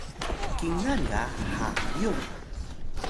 kingan ga Hayung